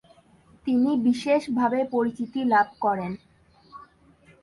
তিনি বিশেষভাবে পরিচিতি লাভ করেন।